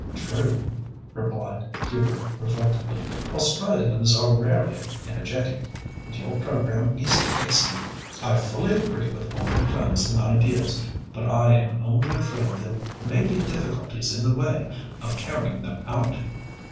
"True!" replied Hubert reflectively. "Australians are rarely energetic, and your programme is excellent. I fully agree with all your plans and ideas, but I am only afraid there may be difficulties in the way of carrying them out."